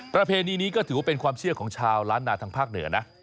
ประเพณีนี้ก็ถือว่าเป็นความเชื่อของชาวล้านนาทางภาคเหนือนะ